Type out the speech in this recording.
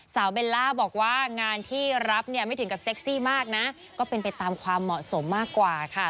เบลล่าบอกว่างานที่รับเนี่ยไม่ถึงกับเซ็กซี่มากนะก็เป็นไปตามความเหมาะสมมากกว่าค่ะ